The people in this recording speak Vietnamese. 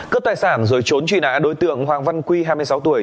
cướp tài sản rồi trốn truy nã đối tượng hoàng văn quy hai mươi sáu tuổi